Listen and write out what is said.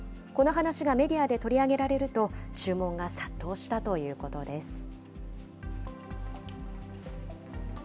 この話がメディアで取り上げられると、注文が殺到したということです。